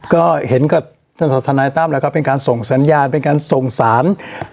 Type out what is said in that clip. ก็เห็นกับทนายตั้มแล้วก็เป็นการส่งสัญญาณเป็นการส่งสาร